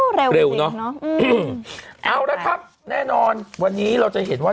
เร็วเนอะเอาละครับแน่นอนวันนี้เราจะเห็นว่า